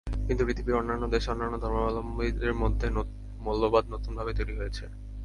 কিন্তু পৃথিবীর অন্যান্য দেশে অন্যান্য ধর্মাবলম্বীদের মধ্যে মৌলবাদ নতুনভাবে তৈরি হয়েছে।